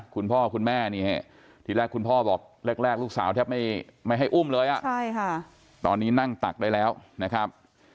คุณพ่อคุณแม่นี่ทีแรกคุณพ่อบอกแรกลูกสาวแทบไม่ให้อุ้มเลยตอนนี้นั่งตักได้แล้วนะครับ